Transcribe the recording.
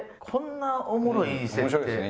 こんなおもろい設定。